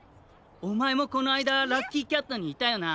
おまえもこのあいだラッキーキャットにいたよな。